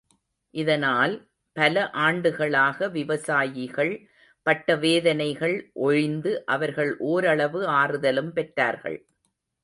இதனால், பல ஆண்டுகளாக விவசாயிகள் பட்ட வேதனைகள் ஒழிந்து அவர்கள் ஓரளவு ஆறுதலும் பெற்றார்கள்.